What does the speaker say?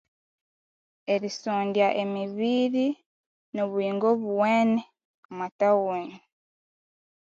Erisondya emibiri nobuyingo obuwene omu tawuni